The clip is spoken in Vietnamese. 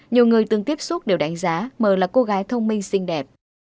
nhiều người từng tiếp xúc đều đánh giá mờ là cô gái thông minh xinh đẹp